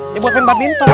ini buat pembak bintang